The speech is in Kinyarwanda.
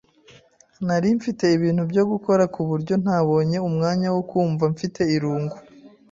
Nari mfite ibintu byo gukora kuburyo ntabonye umwanya wo kumva mfite irungu.